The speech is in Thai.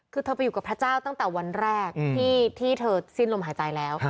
คือเธอไปอยู่กับพระเจ้าตั้งแต่วันแรกที่เธอสิ้นลมหายใจแล้ว